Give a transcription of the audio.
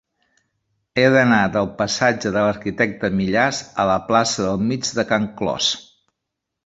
He d'anar del passatge de l'Arquitecte Millàs a la plaça del Mig de Can Clos.